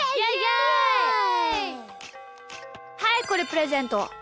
はいこれプレゼント。